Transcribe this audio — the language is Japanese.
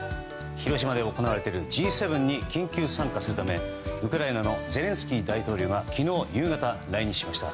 広島で行われているＧ７に緊急参加するためウクライナのゼレンスキー大統領が昨日夕方、来日しました。